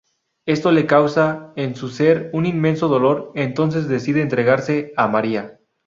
Esto le causa en su ser, un inmenso dolor, entonces decide entregarse a María.